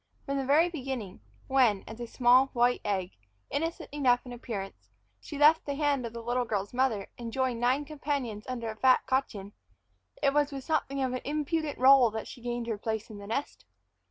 From the very beginning, when, as a small white egg, innocent enough in appearance, she left the hand of the little girl's mother and joined nine companions under a fat cochin, it was with something of an impudent roll that she gained her place in the nest.